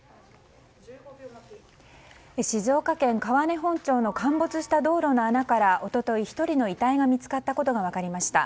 静岡県川根本町の陥没した道路の穴から一昨日、１人の遺体が見つかったことが分かりました。